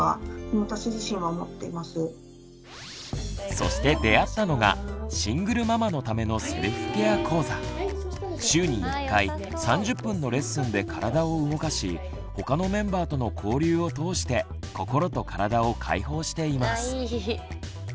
そして出会ったのが週に１回３０分のレッスンで体を動かし他のメンバーとの交流を通して心と体を解放しています。